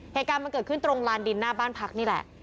เหตุการณ์มันเกิดขึ้นตรงลานดินหน้าบ้านพักนี่แหละ